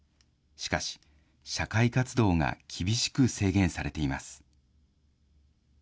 しかし、社会活動が厳しく制限されています。